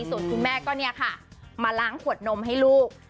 ส่วนคุณแม่ก็เนี่ยค่ะมาล้างขวดนมให้ลูก